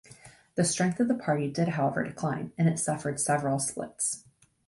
The strength of the party did however decline, and it suffered several splits.